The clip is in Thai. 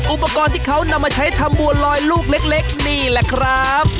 อุปกรณ์ที่เขานำมาใช้ทำบัวลอยลูกเล็กนี่แหละครับ